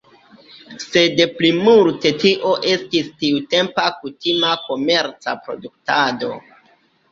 Sed plimulte tio estis tiutempa kutima komerca produktado.